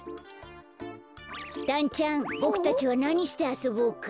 だんちゃんボクたちはなにしてあそぼうか？